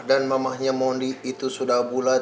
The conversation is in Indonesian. dan mamahnya mondi itu sudah pula